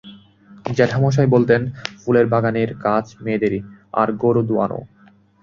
জেঠামশায় বলতেন, ফুলের বাগানের কাজ মেয়েদেরই, আর গোরু দোওয়ানো।